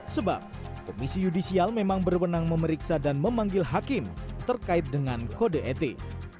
sebab komisi yudisial memang berwenang memeriksa dan memanggil hakim terkait dengan kode etik